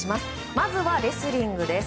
まずはレスリングです。